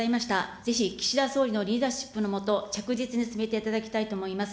ぜひ岸田総理のリーダーシップの下、着実に進めていただきたいと思います。